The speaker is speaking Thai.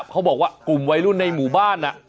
เขาบอกว่ากลุ่มวัยรุ่นในหมู่บ้าน